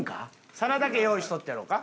皿だけ用意しとってやろうか？